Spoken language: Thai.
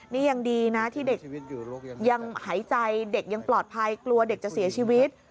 นี่ยังดีนะที่เด็กยังหายใจเด็กยังปลอดภัยกลัวเด็กจะเสียชีวิต